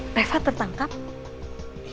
tapi dia sudah berada di kantor polisi